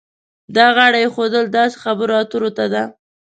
دا غاړه ایښودل داسې خبرو اترو ته ده.